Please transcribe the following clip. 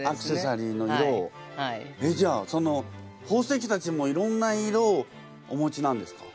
えっじゃあその宝石たちもいろんな色をお持ちなんですか？